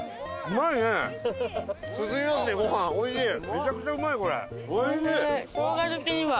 めちゃくちゃうまいこれ。